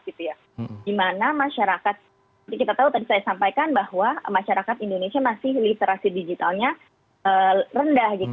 kita tahu tadi saya sampaikan bahwa masyarakat indonesia masih literasi digitalnya rendah